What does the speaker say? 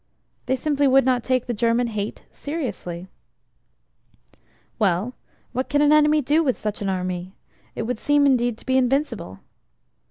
They simply would not take the German "Hate" seriously. Well, what can an enemy do with such an army? It would seem indeed to be invincible.